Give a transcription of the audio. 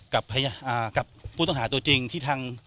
กับผู้ต้องหาตัวจริงที่ทาง